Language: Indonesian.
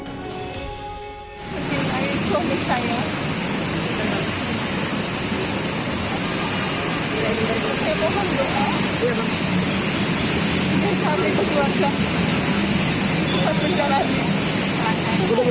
dan kami berdua tak akan berjalan lagi